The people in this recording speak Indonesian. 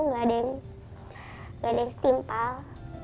nggak ada yang setimpal